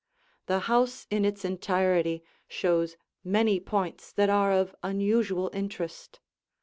The house in its entirety shows many points that are of unusual interest.